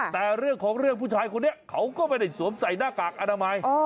แต่เรื่องของเรื่องผู้ชายคนนี้เขาก็ไม่ได้สวมใส่หน้ากากอนามัย